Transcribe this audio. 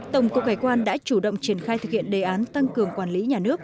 tổng cục hải quan đã chủ động triển khai thực hiện đề án tăng cường quản lý nhà nước